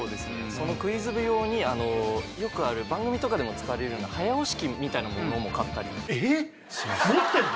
そのクイズ部用によくある番組とかでも使われるような早押し機みたいなものも買ったりええっ持ってんの！？